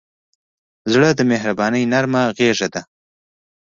زړه د مهربانۍ نرمه غېږه ده.